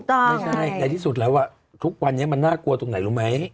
ไม่ใช่ในที่สุดแล้วทุกวันนี้มันน่ากลัวตรงไหนรู้ไหม